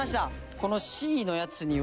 このＣのやつには。